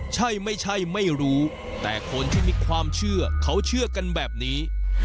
ใช่ไม่ใช่ไม่รู้แต่คนที่มีความเชื่อเขาเชื่อกันแบบนี้